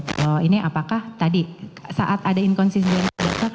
kalau ini apakah tadi saat ada inkonsistensi